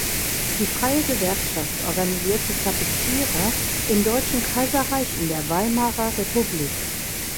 Die freie Gewerkschaft organisierte Tapezierer im Deutschen Kaiserreich in der Weimarer Republik.